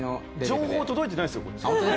情報届いてないですよこっち。